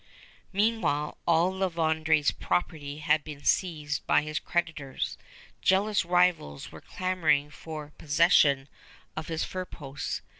Meanwhile, all La Vérendrye's property had been seized by his creditors. Jealous rivals were clamoring for possession of his fur posts.